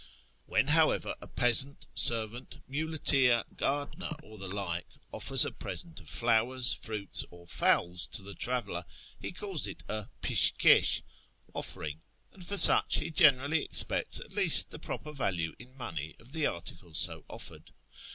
When, however, a peasant, servant, muleteer, gardener, or the like, offers a present of fiowers, fruits, or fowls to the traveller, he calls it a iJish kcsh (offering), and for such he gener ally expects at least the proper value in money of the article so offered.